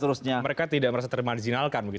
sehingga mereka tidak merasa termarginalkan begitu